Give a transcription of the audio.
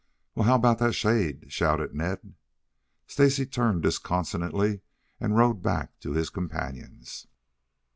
"Well, how about that shade?" shouted Ned. Stacy turned disconsolately and rode back to his companions.